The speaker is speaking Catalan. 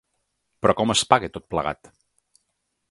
Però com es paga tot plegat?